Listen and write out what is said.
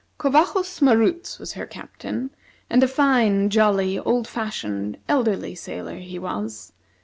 Covajos Maroots was her captain, and a fine, jolly, old fashioned, elderly sailor he was.